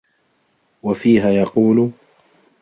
وَفِيهَا يَقُولُ